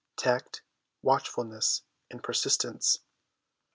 Tact, Watchfulness, and Persistence.